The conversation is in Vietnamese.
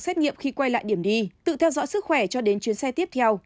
xét nghiệm khi quay lại điểm đi tự theo dõi sức khỏe cho đến chuyến xe tiếp theo